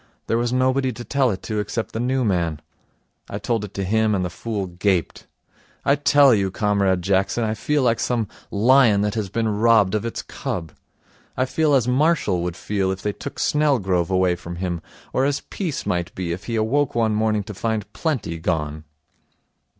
There was nobody to tell it to except the new man. I told it him, and the fool gaped. I tell you, Comrade Jackson, I feel like some lion that has been robbed of its cub. I feel as Marshall would feel if they took Snelgrove away from him, or as Peace might if he awoke one morning to find Plenty gone.